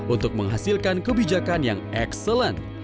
untuk menghasilkan kebijakan yang excellent